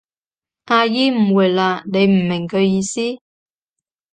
阿姨誤會喇，你唔明佢意思？